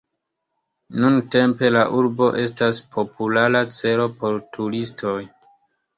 Nuntempe, la urbo estas populara celo por turistoj.